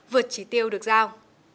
vượt chỉ tiêu được giao